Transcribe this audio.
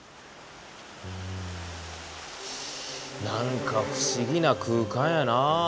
うん何か不思議な空間やな。